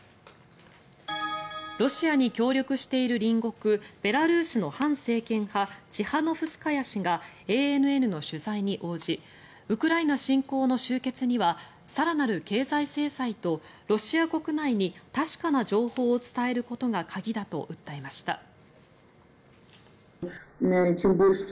ロシアに協力している隣国ベラルーシの反政権派チハノフスカヤ氏がＡＮＮの取材に応じウクライナ侵攻の終結には更なる経済制裁とロシア国内に確かな情報を伝えることが鍵だと訴えました。